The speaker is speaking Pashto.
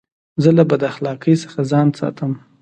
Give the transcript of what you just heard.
زه له بداخلاقۍ څخه ځان ساتم.